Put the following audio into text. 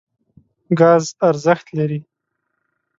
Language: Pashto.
ګاز ارزښت لري.